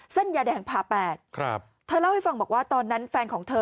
สั้นยาแดงพาแปดท่านเล่าให้ฟังบอกว่าตอนนั้นแฟนของเธอ